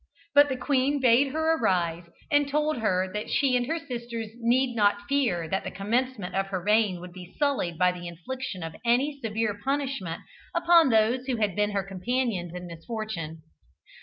But the queen bade her arise, and told her that she and her sisters need not fear that the commencement of her reign would be sullied by the infliction of any severe punishment upon those who had been her companions in misfortune.